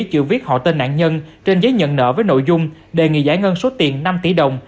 chữ viết họ tên nạn nhân trên giấy nhận nợ với nội dung đề nghị giải ngân số tiền năm tỷ đồng